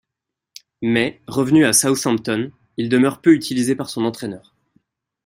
Mais, revenu à Southampton, il demeure peu utilisé par son entraîneur.